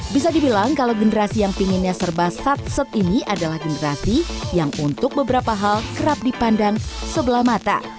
bisa dibilang kalau generasi yang pinginnya serba satset ini adalah generasi yang untuk beberapa hal kerap dipandang sebelah mata